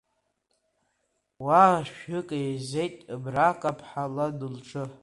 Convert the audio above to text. Уаа шәҩык еизеит Мра-каԥха лан лҿы.